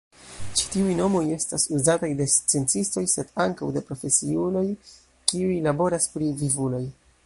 Ĉi-tiuj nomoj estas uzataj de sciencistoj sed ankaŭ de profesiuloj kiuj laboras pri vivuloj.